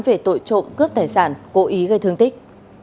về tội trộm cướp tài sản cố ý gây thương tích